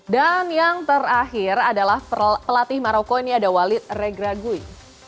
dan yang terakhir adalah pelatih maroko ini ada walid regragui